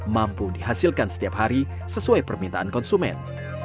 mampu dihasilkan setiap hari sesuai permintaan konsumen